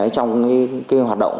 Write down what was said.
trong các hoạt động